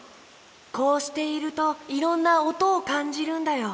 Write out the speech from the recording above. こうしているといろんなおとをかんじるんだよ。